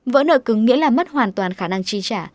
vỡ nợ cứng nghĩa là mất hoàn toàn khả năng chi trả